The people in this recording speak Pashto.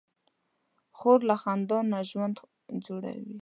خور له خندا نه ژوند جوړوي.